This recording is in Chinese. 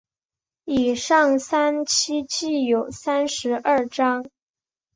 以上三期计有三十二章。